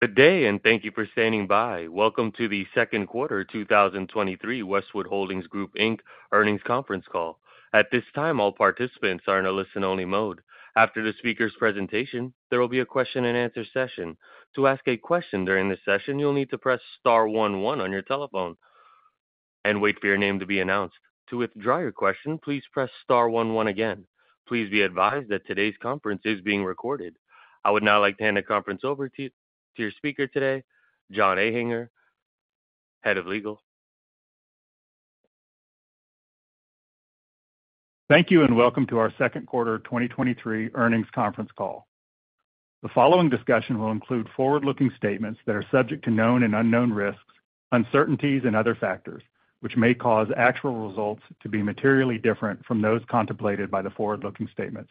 Good day, thank you for standing by. Welcome to the second quarter 2023 Westwood Holdings Group Inc. earnings conference call. At this time, all participants are in a listen-only mode. After the speaker's presentation, there will be a question-and-answer session. To ask a question during this session, you'll need to press star one one on your telephone and wait for your name to be announced. To withdraw your question, please press star one one again. Please be advised that today's conference is being recorded. I would now like to hand the conference over to your speaker today, John Ehinger, Head of Legal. Thank you. Welcome to our second quarter 2023 earnings conference call. The following discussion will include forward-looking statements that are subject to known and unknown risks, uncertainties, and other factors, which may cause actual results to be materially different from those contemplated by the forward-looking statements.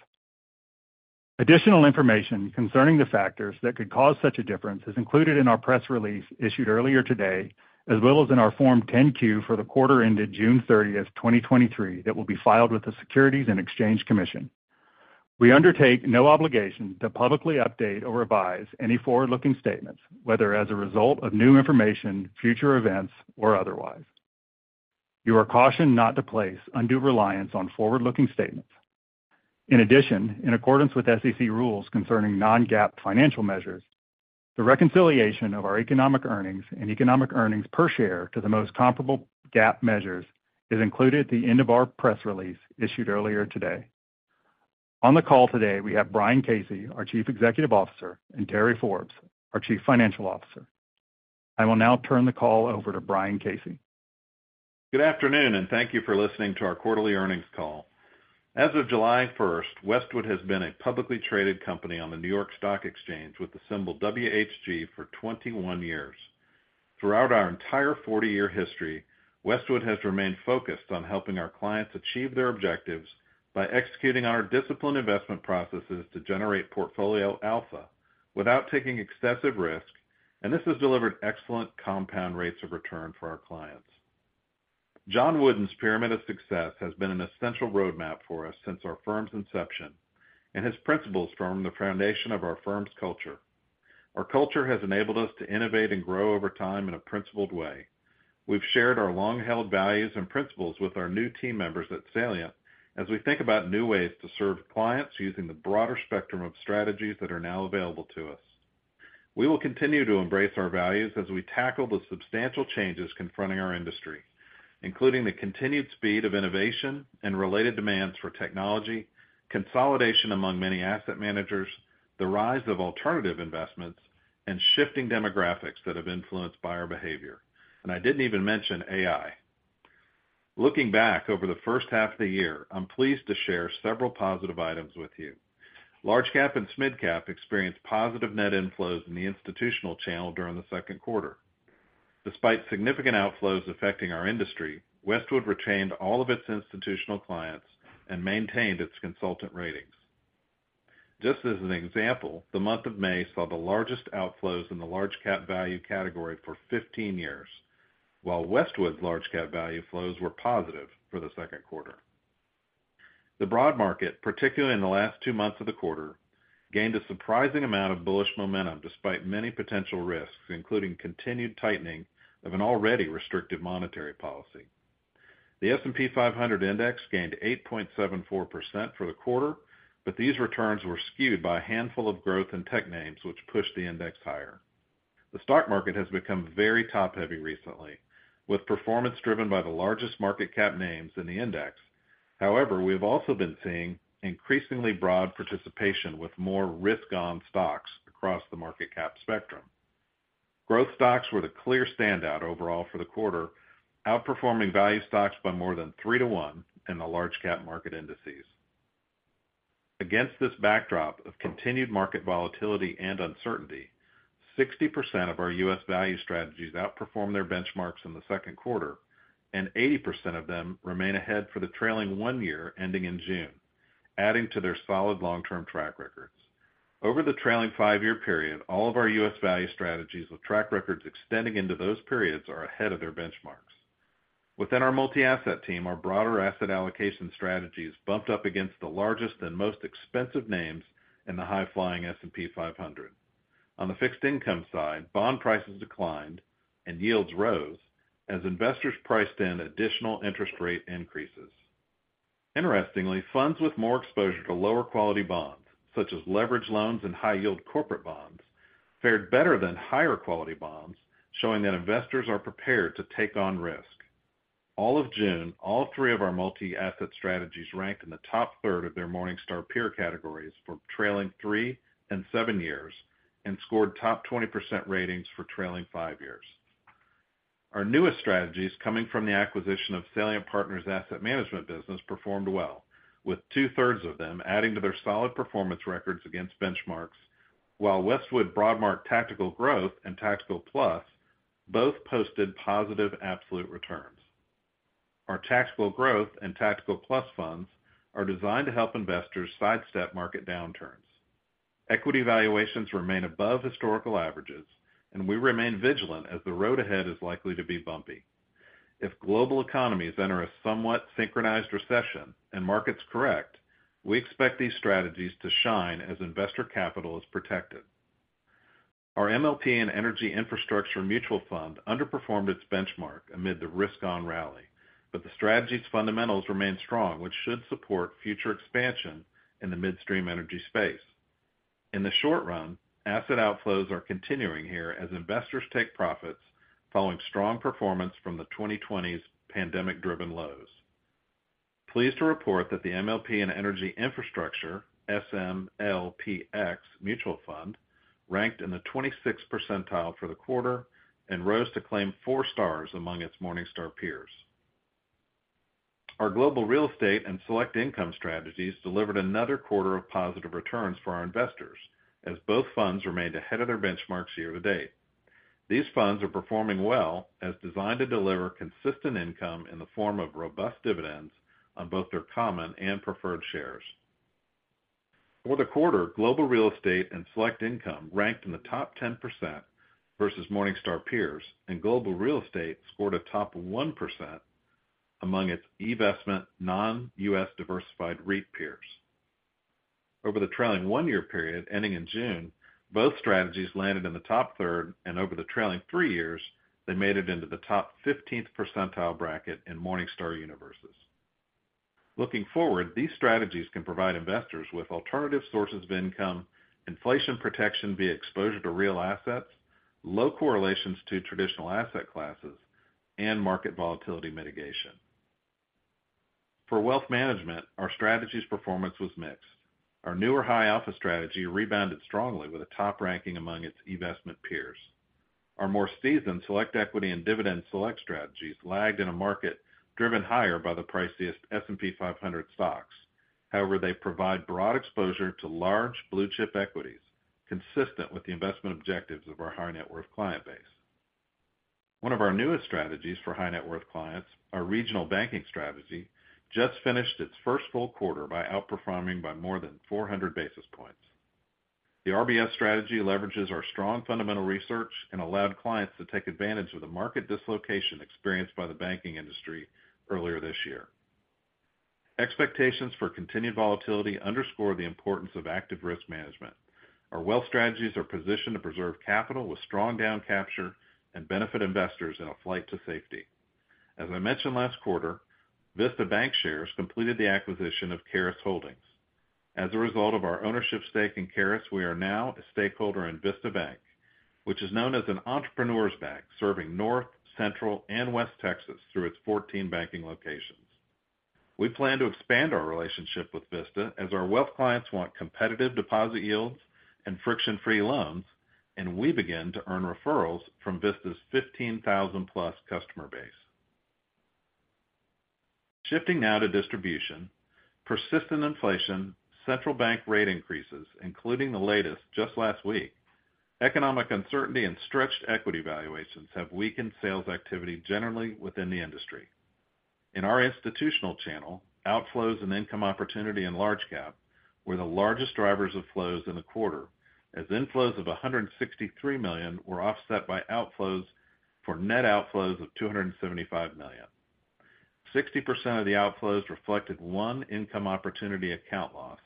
Additional information concerning the factors that could cause such a difference is included in our press release issued earlier today, as well as in our Form 10-Q for the quarter ended June 30th, 2023, that will be filed with the Securities and Exchange Commission. We undertake no obligation to publicly update or revise any forward-looking statements, whether as a result of new information, future events, or otherwise. You are cautioned not to place undue reliance on forward-looking statements. In addition, in accordance with SEC rules concerning non-GAAP financial measures, the reconciliation of our economic earnings and economic earnings per share to the most comparable GAAP measures is included at the end of our press release issued earlier today. On the call today, we have Brian Casey, our Chief Executive Officer, and Terry Forbes, our Chief Financial Officer. I will now turn the call over to Brian Casey. Good afternoon, and thank you for listening to our quarterly earnings call. As of July 1st, Westwood has been a publicly traded company on the New York Stock Exchange with the symbol WHG for 21 years. Throughout our entire 40-year history, Westwood has remained focused on helping our clients achieve their objectives by executing our disciplined investment processes to generate portfolio alpha without taking excessive risk, and this has delivered excellent compound rates of return for our clients. John Wooden's Pyramid of Success has been an essential roadmap for us since our firm's inception, and his principles form the foundation of our firm's culture. Our culture has enabled us to innovate and grow over time in a principled way. We've shared our long-held values and principles with our new team members at Salient as we think about new ways to serve clients using the broader spectrum of strategies that are now available to us. We will continue to embrace our values as we tackle the substantial changes confronting our industry, including the continued speed of innovation and related demands for technology, consolidation among many asset managers, the rise of alternative investments, and shifting demographics that have influenced buyer behavior. I didn't even mention AI. Looking back over the first half of the year, I'm pleased to share several positive items with you. Large Cap and MidCap experienced positive net inflows in the institutional channel during the second quarter. Despite significant outflows affecting our industry, Westwood retained all of its institutional clients and maintained its consultant ratings. Just as an example, the month of May saw the largest outflows in the Large Cap Value category for 15 years, while Westwood's Large Cap Value flows were positive for the second quarter. The broad market, particularly in the last two months of the quarter, gained a surprising amount of bullish momentum despite many potential risks, including continued tightening of an already restrictive monetary policy. The S&P 500 Index gained 8.74% for the quarter, but these returns were skewed by a handful of growth and tech names, which pushed the index higher. The stock market has become very top-heavy recently, with performance driven by the largest market cap names in the index. However, we've also been seeing increasingly broad participation with more risk-on stocks across the market cap spectrum. Growth stocks were the clear standout overall for the quarter, outperforming value stocks by more than 3 to 1 in the large-cap market indices. Against this backdrop of continued market volatility and uncertainty, 60% of our U.S. value strategies outperformed their benchmarks in the second quarter, and 80% of them remain ahead for the trailing one year ending in June, adding to their solid long-term track records. Over the trailing five-year period, all of our U.S. value strategies with track records extending into those periods are ahead of their benchmarks. Within our multi-asset team, our broader asset allocation strategies bumped up against the largest and most expensive names in the high-flying S&P 500. On the fixed income side, bond prices declined and yields rose as investors priced in additional interest rate increases. Interestingly, funds with more exposure to lower quality bonds, such as leveraged loans and high-yield corporate bonds, fared better than higher quality bonds, showing that investors are prepared to take on risk. All of June, all 3 of our multi-asset strategies ranked in the top third of their Morningstar peer categories for trailing 3 and 7 years and scored top 20% ratings for trailing 5 years. Our newest strategies, coming from the acquisition of Salient Partners Asset Management business, performed well, with 2/3 of them adding to their solid performance records against benchmarks, while Westwood Broadmark Tactical Growth and Tactical Plus both posted positive absolute returns. Our Tactical Growth and Tactical Plus funds are designed to help investors sidestep market downturns. Equity valuations remain above historical averages, we remain vigilant as the road ahead is likely to be bumpy. If global economies enter a somewhat synchronized recession and markets correct, we expect these strategies to shine as investor capital is protected. Our MLP and energy infrastructure mutual fund underperformed its benchmark amid the risk-on rally, but the strategy's fundamentals remain strong, which should support future expansion in the midstream energy space. In the short run, asset outflows are continuing here as investors take profits following strong performance from the 2020's pandemic-driven lows. Pleased to report that the MLP and Energy Infrastructure, SMLPX Mutual Fund, ranked in the 26th percentile for the quarter and rose to claim 4 stars among its Morningstar peers. Our Global Real Estate and Select Income strategies delivered another quarter of positive returns for our investors, as both funds remained ahead of their benchmarks year to date. These funds are performing well, as designed to deliver consistent income in the form of robust dividends on both their common and preferred shares. For the quarter, Global Real Estate and Select Income ranked in the top 10% versus Morningstar peers, and Global Real Estate scored a top 1% among its investment non-U.S. diversified REIT peers. Over the trailing 1-year period, ending in June, both strategies landed in the top third, and over the trailing 3 years, they made it into the top 15th percentile bracket in Morningstar universes. Looking forward, these strategies can provide investors with alternative sources of income, inflation protection via exposure to real assets, low correlations to traditional asset classes, and market volatility mitigation. For wealth management, our strategies performance was mixed. Our newer High Alpha strategy rebounded strongly with a top ranking among its investment peers. Our more seasoned Select Equity and Dividend Select strategies lagged in a market driven higher by the priciest S&P 500 stocks. However, they provide broad exposure to large blue-chip equities, consistent with the investment objectives of our high net worth client base. One of our newest strategies for high net worth clients, our regional banking strategy, just finished its first full quarter by outperforming by more than 400 basis points. The RBS strategy leverages our strong fundamental research and allowed clients to take advantage of the market dislocation experienced by the banking industry earlier this year. Expectations for continued volatility underscore the importance of active risk management. Our wealth strategies are positioned to preserve capital with strong down capture and benefit investors in a flight to safety. As I mentioned last quarter, Vista Bank Shares completed the acquisition of Charis Holdings. As a result of our ownership stake in Charis, we are now a stakeholder in Vista Bank, which is known as an Entrepreneur's Bank, serving North, Central, and West Texas through its 14 banking locations. We plan to expand our relationship with Vista as our wealth clients want competitive deposit yields and friction-free loans, and we begin to earn referrals from Vista's 15,000+ customer base. Shifting now to distribution, persistent inflation, central bank rate increases, including the latest, just last week. Economic uncertainty and stretched equity valuations have weakened sales activity generally within the industry. In our institutional channel, outflows and Income Opportunity in Large Cap were the largest drivers of flows in the quarter, as inflows of $163 million were offset by outflows for net outflows of $275 million. 60% of the outflows reflected 1 Income Opportunity account loss.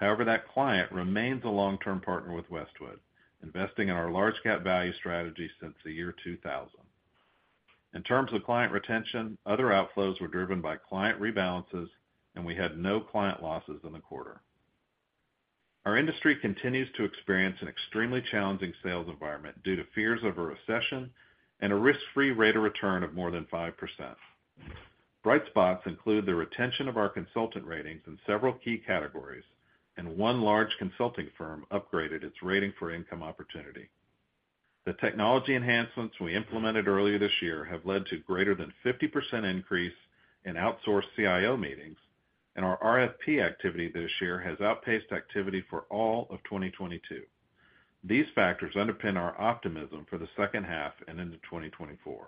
That client remains a long-term partner with Westwood, investing in our Large Cap Value strategy since the year 2000. In terms of client retention, other outflows were driven by client rebalances. We had no client losses in the quarter. Our industry continues to experience an extremely challenging sales environment due to fears of a recession and a risk-free rate of return of more than 5%. Bright spots include the retention of our consultant ratings in several key categories. One large consulting firm upgraded its rating for Income Opportunity. The technology enhancements we implemented earlier this year have led to greater than 50% increase in outsourced CIO meetings. Our RFP activity this year has outpaced activity for all of 2022. These factors underpin our optimism for the second half and into 2024.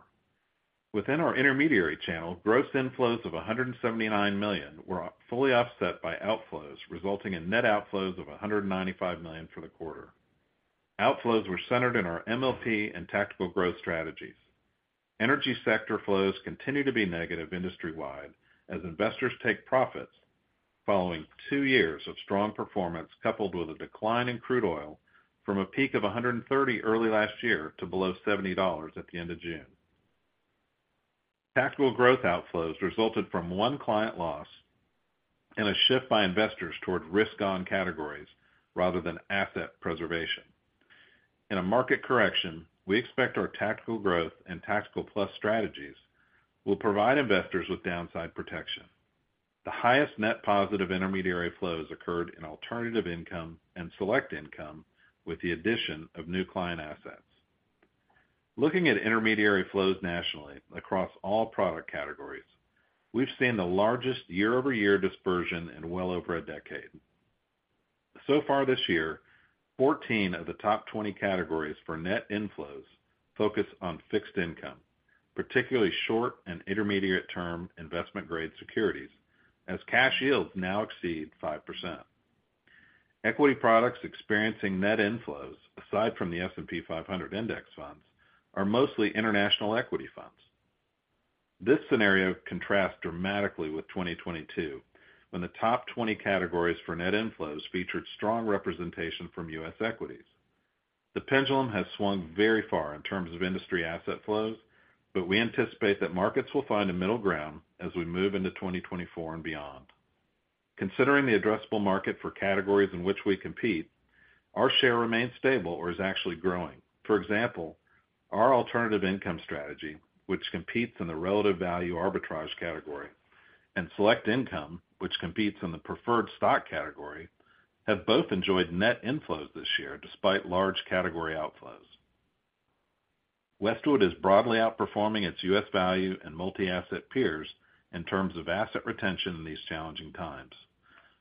Within our intermediary channel, gross inflows of $179 million were fully offset by outflows, resulting in net outflows of $195 million for the quarter. Outflows were centered in our MLP and Tactical Growth strategies. Energy sector flows continue to be negative industry-wide as investors take profits following two years of strong performance, coupled with a decline in crude oil from a peak of $130 early last year to below $70 at the end of June. Tactical Growth outflows resulted from one client loss and a shift by investors toward risk-on categories rather than asset preservation. In a market correction, we expect our Tactical Growth and Tactical Plus strategies will provide investors with downside protection. The highest net positive intermediary flows occurred in Alternative Income and Select Income, with the addition of new client assets. Looking at intermediary flows nationally across all product categories, we've seen the largest year-over-year dispersion in well over a decade. So far this year, 14 of the top 20 categories for net inflows focus on fixed income, particularly short and intermediate term investment-grade securities, as cash yields now exceed 5%. Equity products experiencing net inflows, aside from the S&P 500 index funds, are mostly international equity funds. This scenario contrasts dramatically with 2022, when the top 20 categories for net inflows featured strong representation from U.S. equities. The pendulum has swung very far in terms of industry asset flows, but we anticipate that markets will find a middle ground as we move into 2024 and beyond. Considering the addressable market for categories in which we compete, our share remains stable or is actually growing. For example, our Alternative Income Strategy, which competes in the relative value arbitrage category, and Select Income, which competes in the preferred stock category, have both enjoyed net inflows this year despite large category outflows. Westwood is broadly outperforming its U.S. value and multi-asset peers in terms of asset retention in these challenging times.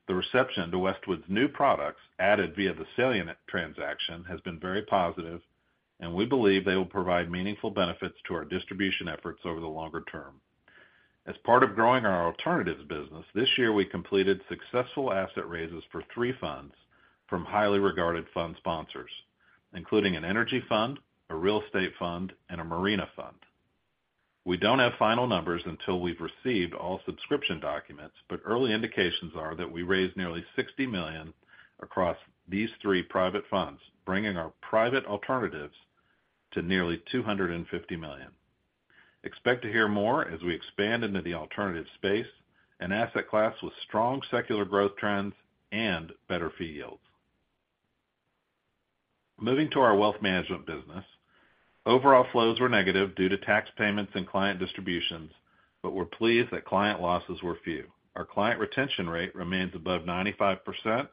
The reception to Westwood's new products, added via the Salient transaction, has been very positive, and we believe they will provide meaningful benefits to our distribution efforts over the longer term. As part of growing our alternatives business, this year we completed successful asset raises for three funds from highly regarded fund sponsors, including an energy fund, a real estate fund, and a marina fund. We don't have final numbers until we've received all subscription documents, but early indications are that we raised nearly $60 million across these three private funds, bringing our private alternatives to nearly $250 million. Expect to hear more as we expand into the alternative space, an asset class with strong secular growth trends and better fee yields. Moving to our wealth management business, overall flows were negative due to tax payments and client distributions, but we're pleased that client losses were few. Our client retention rate remains above 95%,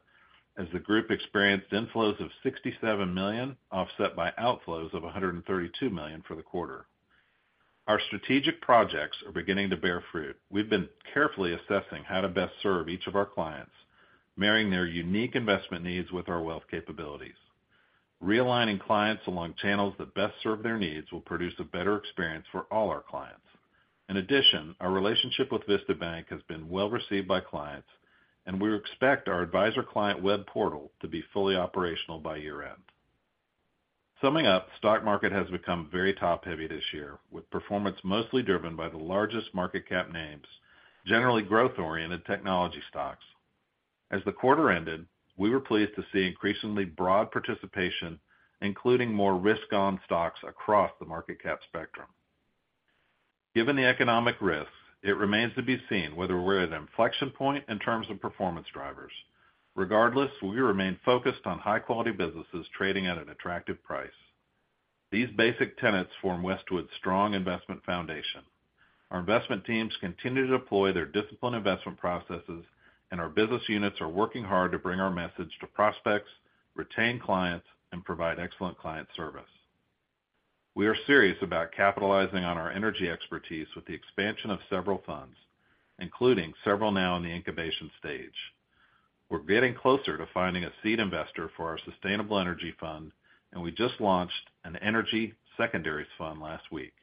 as the group experienced inflows of $67 million, offset by outflows of $132 million for the quarter. Our strategic projects are beginning to bear fruit. We've been carefully assessing how to best serve each of our clients, marrying their unique investment needs with our wealth capabilities. Realigning clients along channels that best serve their needs will produce a better experience for all our clients. In addition, our relationship with Vista Bank has been well received by clients, and we expect our advisor-client web portal to be fully operational by year-end. Summing up, stock market has become very top-heavy this year, with performance mostly driven by the largest market cap names, generally growth-oriented technology stocks. As the quarter ended, we were pleased to see increasingly broad participation, including more risk-on stocks across the market cap spectrum. Given the economic risks, it remains to be seen whether we're at an inflection point in terms of performance drivers. Regardless, we remain focused on high-quality businesses trading at an attractive price. These basic tenets form Westwood's strong investment foundation. Our investment teams continue to deploy their disciplined investment processes, and our business units are working hard to bring our message to prospects, retain clients, and provide excellent client service. We are serious about capitalizing on our energy expertise with the expansion of several funds, including several now in the incubation stage. We're getting closer to finding a seed investor for our Sustainable Energy Fund, and we just launched an Energy Secondaries Fund last week.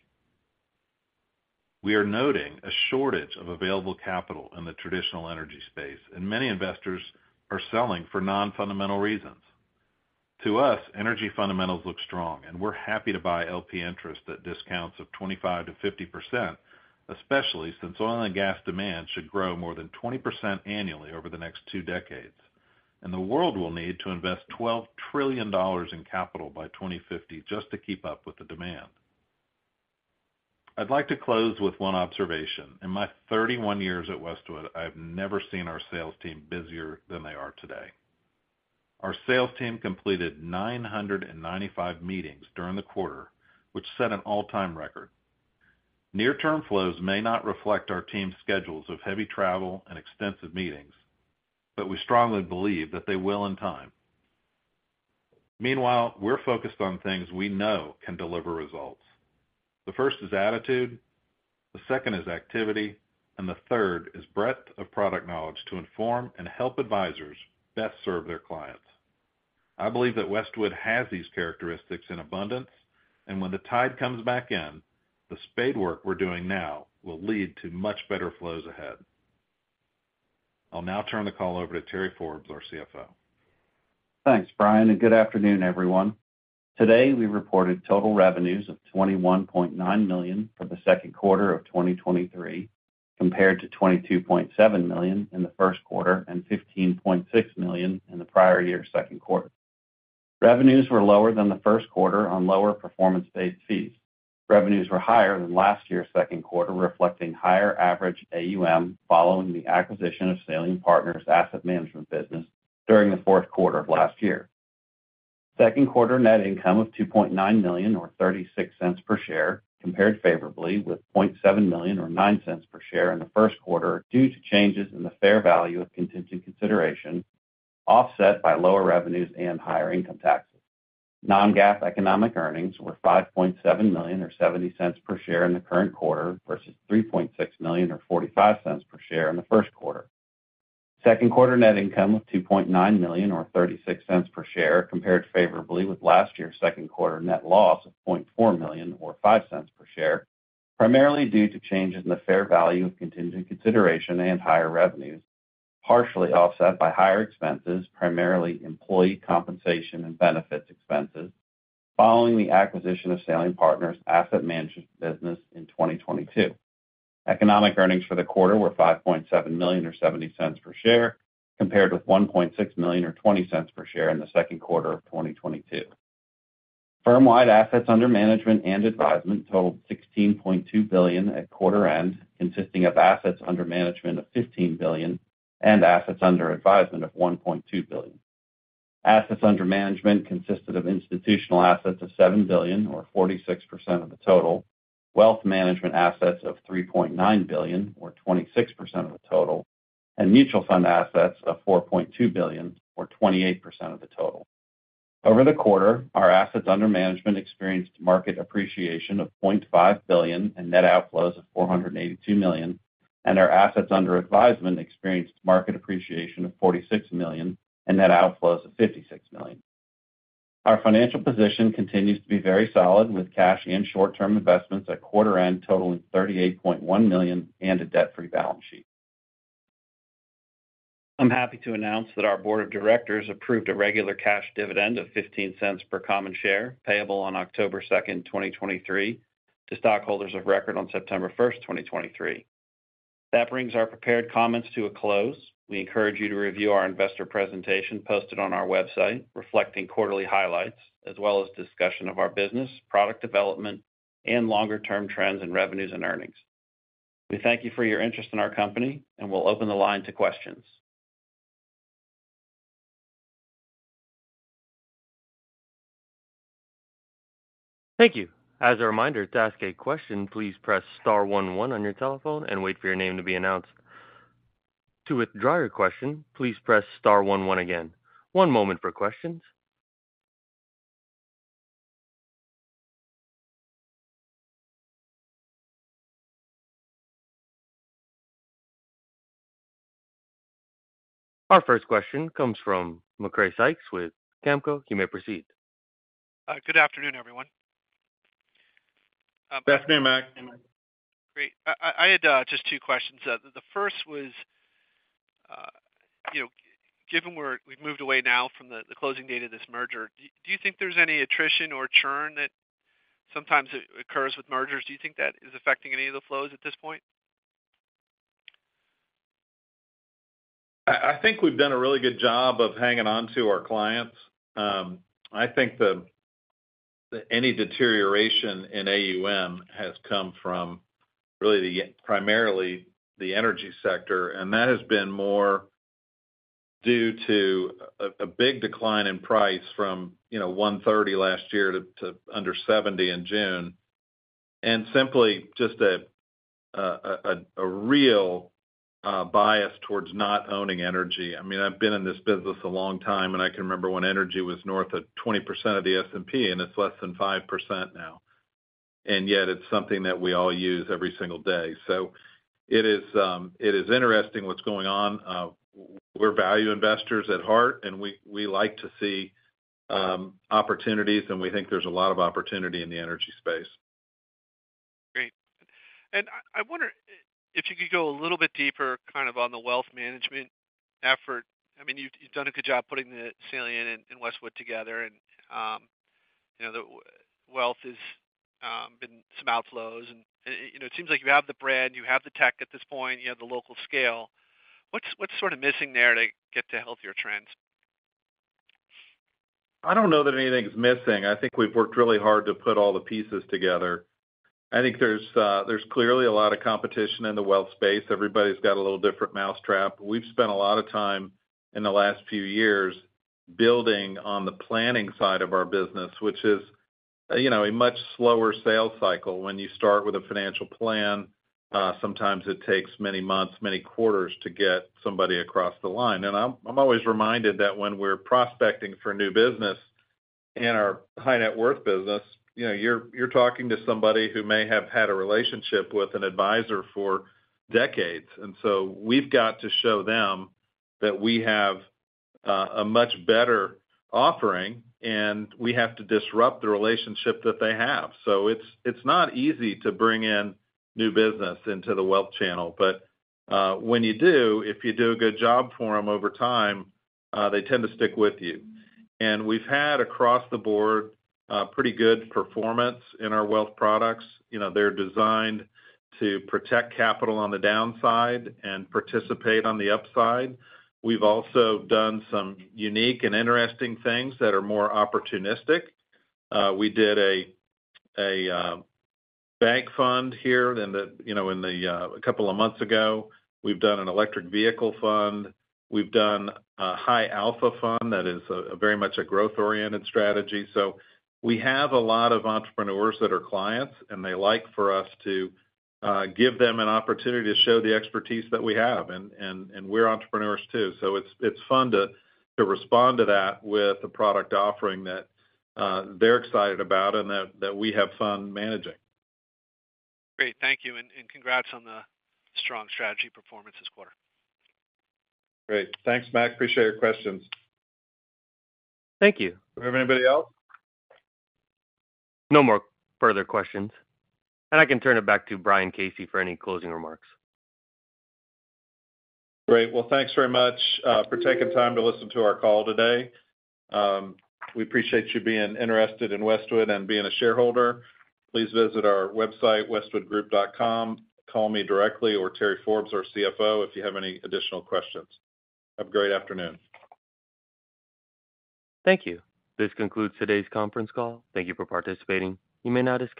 We are noting a shortage of available capital in the traditional energy space, and many investors are selling for non-fundamental reasons. To us, energy fundamentals look strong, and we're happy to buy LP interest at discounts of 25%-50%, especially since oil and gas demand should grow more than 20% annually over the next 2 decades. The world will need to invest $12 trillion in capital by 2050 just to keep up with the demand. I'd like to close with one observation: In my 31 years at Westwood, I have never seen our sales team busier than they are today. Our sales team completed 995 meetings during the quarter, which set an all-time record. Near-term flows may not reflect our team's schedules of heavy travel and extensive meetings, but we strongly believe that they will in time. Meanwhile, we're focused on things we know can deliver results. The first is attitude, the second is activity, and the third is breadth of product knowledge to inform and help advisors best serve their clients. I believe that Westwood has these characteristics in abundance, and when the tide comes back in, the spade work we're doing now will lead to much better flows ahead. I'll now turn the call over to Terry Forbes, our CFO. Thanks, Brian, good afternoon, everyone. Today, we reported total revenues of $21.9 million for the second quarter of 2023, compared to $22.7 million in the first quarter and $15.6 million in the prior year's second quarter. Revenues were lower than the first quarter on lower performance-based fees. Revenues were higher than last year's second quarter, reflecting higher average AUM, following the acquisition of Salient Partners' asset management business during the fourth quarter of last year. Second quarter net income of $2.9 million, or $0.36 per share, compared favorably with $0.7 million or $0.09 per share in the first quarter, due to changes in the fair value of contingent consideration, offset by lower revenues and higher income taxes. Non-GAAP economic earnings were $5.7 million or $0.70 per share in the current quarter, versus $3.6 million or $0.45 per share in the first quarter. Second quarter net income of $2.9 million or $0.36 per share, compared favorably with last year's second quarter net loss of $0.4 million or $0.05 per share. Primarily due to changes in the fair value of contingent consideration and higher revenues, partially offset by higher expenses, primarily employee compensation and benefits expenses, following the acquisition of Salient Partners asset management business in 2022. Economic earnings for the quarter were $5.7 million, or $0.70 per share, compared with $1.6 million, or $0.20 per share in the second quarter of 2022. Firm-wide assets under management and advisement totaled $16.2 billion at quarter end, consisting of assets under management of $15 billion and assets under advisement of $1.2 billion. Assets under management consisted of institutional assets of $7 billion, or 46% of the total, wealth management assets of $3.9 billion, or 26% of the total, and mutual fund assets of $4.2 billion, or 28% of the total. Over the quarter, our assets under management experienced market appreciation of $0.5 billion and net outflows of $482 million, and our assets under advisement experienced market appreciation of $46 million and net outflows of $56 million. Our financial position continues to be very solid, with cash and short-term investments at quarter end totaling $38.1 million and a debt-free balance sheet. I'm happy to announce that our board of directors approved a regular cash dividend of $0.15 per common share, payable on October 2, 2023, to stockholders of record on September 1, 2023. That brings our prepared comments to a close. We encourage you to review our investor presentation posted on our website, reflecting quarterly highlights as well as discussion of our business, product development, and longer-term trends in revenues and earnings. We thank you for your interest in our company, and we'll open the line to questions. Thank you. As a reminder, to ask a question, please press star one one on your telephone and wait for your name to be announced. To withdraw your question, please press star one one again. One moment for questions. Our first question comes from Macrae Sykes with GAMCO. You may proceed. Good afternoon, everyone. Good afternoon, Mac. Great. I had just two questions. The first was, you know, given we've moved away now from the, the closing date of this merger, do you think there's any attrition or churn that sometimes occurs with mergers? Do you think that is affecting any of the flows at this point? I, I think we've done a really good job of hanging on to our clients. I think the, any deterioration in AUM has come from really the, primarily the energy sector, and that has been more due to a, a big decline in price from, you know, 130 last year to, to under 70 in June, and simply just a, a, a, a real bias towards not owning energy. I mean, I've been in this business a long time, and I can remember when energy was north of 20% of the S&P, and it's less than 5% now. Yet it's something that we all use every single day. It is, it is interesting what's going on. We're value investors at heart, and we, we like to see opportunities, and we think there's a lot of opportunity in the energy space. Great. I, I wonder if you could go a little bit deeper, kind of on the wealth management effort. I mean, you've, you've done a good job putting the Salient and Westwood together and, you know, the wealth has been some outflows, and, you know, it seems like you have the brand, you have the tech at this point, you have the local scale. What's, what's sort of missing there to get to healthier trends? I don't know that anything is missing. I think we've worked really hard to put all the pieces together. I think there's clearly a lot of competition in the wealth space. Everybody's got a little different mousetrap. We've spent a lot of time in the last few years building on the planning side of our business, which is, you know, a much slower sales cycle. When you start with a financial plan, sometimes it takes many months, many quarters to get somebody across the line. I'm always reminded that when we're prospecting for new business in our high net worth business, you know, you're talking to somebody who may have had a relationship with an advisor for decades. So we've got to show them that we have a much better offering, and we have to disrupt the relationship that they have. It's not easy to bring in new business into the wealth channel, but, when you do, if you do a good job for them over time, they tend to stick with you. We've had, across the board, pretty good performance in our wealth products. You know, they're designed to protect capital on the downside and participate on the upside. We've also done some unique and interesting things that are more opportunistic. We did a bank fund here a couple of months ago. We've done an electric vehicle fund. We've done a High Alpha Fund that is very much a growth-oriented strategy. We have a lot of entrepreneurs that are clients, and they like for us to give them an opportunity to show the expertise that we have. We're entrepreneurs too, so it's, it's fun to, to respond to that with a product offering that, they're excited about and that, that we have fun managing. Great. Thank you, and congrats on the strong strategy performance this quarter. Great. Thanks, Mac. Appreciate your questions. Thank you. Do we have anybody else? No more further questions. I can turn it back to Brian Casey for any closing remarks. Great. Well, thanks very much for taking time to listen to our call today. We appreciate you being interested in Westwood and being a shareholder. Please visit our website, westwoodgroup.com. Call me directly or Terry Forbes, our CFO, if you have any additional questions. Have a great afternoon. Thank you. This concludes today's conference call. Thank you for participating. You may now disconnect.